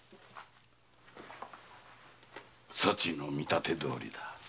そちの見立てどおりだ。